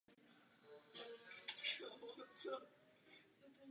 Přívlastek "international" tak zde nabývá opravdového významu.